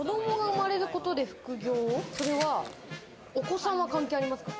それはお子さんは関係ありますか？